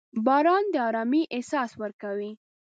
• باران د ارامۍ احساس ورکوي.